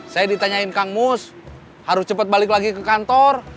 saya ditanyain kang mus harus cepat balik lagi ke kantor